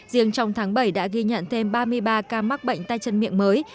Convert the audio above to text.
riêng trong tháng bảy đã ghi nhận thêm ba mươi ba ca mắc bệnh tay chân miệng mới